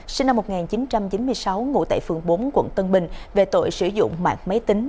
sinh năm một nghìn chín trăm chín mươi sáu ngụ tại phường bốn quận tân bình về tội sử dụng mạng máy tính